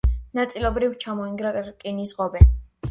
ნაწილობრივ ჩამოინგრა რკინის ღობე.